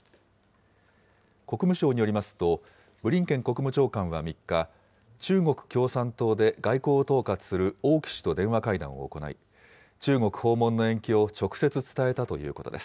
国務省によりますと、ブリンケン国務長官は３日、中国共産党で外交を統括する王毅氏と電話会談を行い、中国訪問の延期を直接伝えたということです。